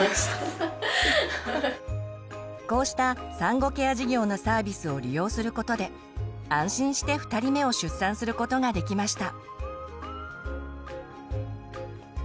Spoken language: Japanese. こうした産後ケア事業のサービスを利用することで安心して２人目を出産することができました。